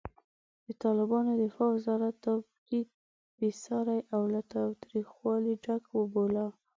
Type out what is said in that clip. د طالبانو دفاع وزارت دا برید بېساری او له تاوتریخوالي ډک وباله.